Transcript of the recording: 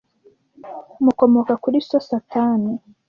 mukomoka kuri so Satani